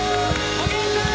おげんさん！